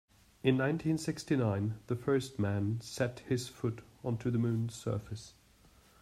In nineteen-sixty-nine the first man set his foot onto the moon's surface.